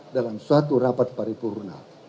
dalam suatu rapat paripurna